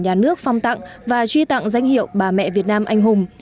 nhà nước phong tặng và truy tặng danh hiệu bà mẹ việt nam anh hùng